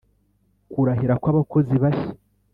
Kurahira kw abakozi bashya